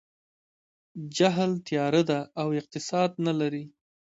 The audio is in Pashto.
جهل تیاره ده او اقتصاد نه لري.